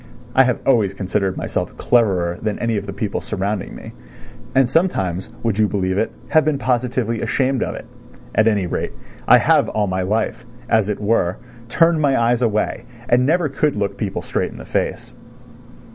(I have always considered myself cleverer than any of the people surrounding me, and sometimes, would you believe it, have been positively ashamed of it. At any rate, I have all my life, as it were, turned my eyes away and never could look people straight in the face.)